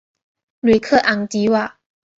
吕克昂迪瓦。